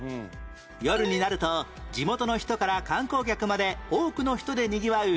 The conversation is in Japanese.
夜になると地元の人から観光客まで多くの人でにぎわう